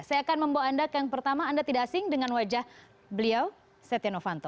saya akan membawa anda ke yang pertama anda tidak asing dengan wajah beliau setia novanto